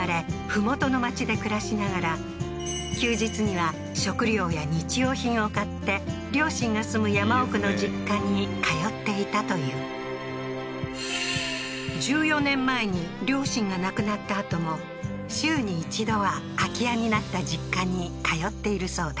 麓の町で暮らしながら休日には食糧や日用品を買って両親が住む山奥の実家に通っていたという１４年前に両親が亡くなったあとも週に１度は空き家になった実家に通っているそうだ